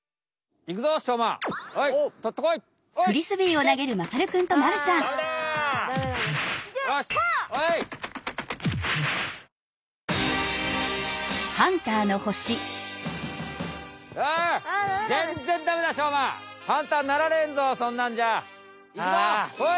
いくぞほい！